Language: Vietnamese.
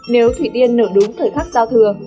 nếu thủy tiên nở đúng thời khắc giao thừa